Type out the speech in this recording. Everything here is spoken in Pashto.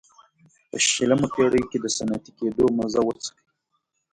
په شلمه پېړۍ کې د صنعتي کېدو مزه وڅکي.